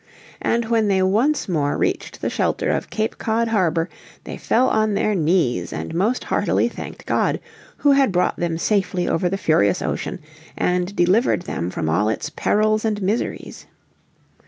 And when they once more reached the shelter of Cape Cod harbour they fell on their knees and most heartily thanked God, Who had brought them safely over the furious ocean, and delivered them from all its perils and miseries.